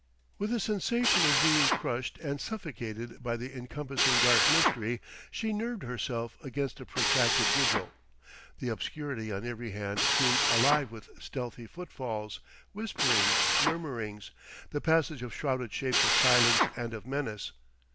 With a sensation of being crushed and suffocated by the encompassing dark mystery, she nerved herself against a protracted vigil. The obscurity on every hand seemed alive with stealthy footfalls, whisperings, murmurings, the passage of shrouded shapes of silence and of menace.